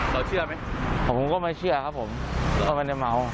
เชื่อไหมผมก็ไม่เชื่อครับผมก็ไม่ได้เมา